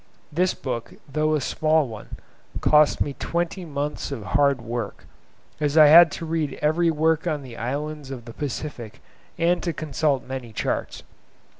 This book, though a small one, cost me twenty months of hard work, as I had to read every work on the islands of the Pacific and to consult many charts.